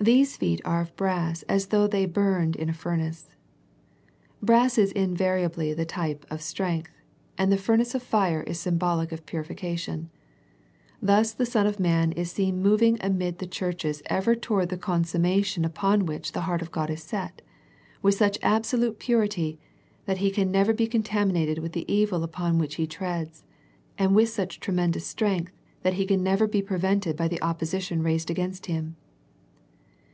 These feet are of brass as though they burned in a furnace. Brass is invariably the type of strength, and the furnace of fire is symbolic of purification. Thus the Son of man is seen moving amid the churches ever toward the consummation upon which the heart of God is set, with such absolute purity, that He can never be contaminated with the evil upon which He treads, and with such tremendous strength that He can never be pre vented by the opposition raised against Him.